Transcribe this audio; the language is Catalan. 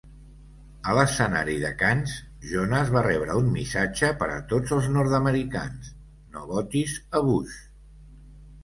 A l'escenari de Cannes, Jonas va rebre un missatge per a tots els nord-americans: "No votis a Bush".